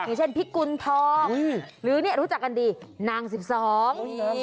อย่างเช่นพิกุณฑองหรือเนี่ยรู้จักกันดีนางสิบสอง